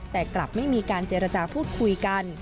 แต่กลับไม่มีการเจรจาพูดคุยกัน